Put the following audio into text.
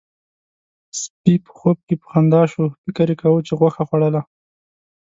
سپي په خوب کې په خندا شو، فکر يې کاوه چې غوښه خوړله.